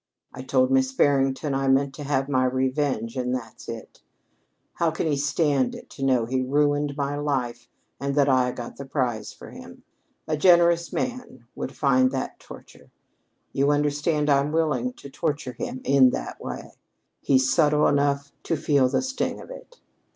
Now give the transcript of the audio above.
I told Miss Barrington I meant to have my revenge, and that's it. How can he stand it to know he ruined my life and that I got the prize for him? A generous man would find that torture! You understand, I'm willing to torture him in that way. He's subtle enough to feel the sting of it."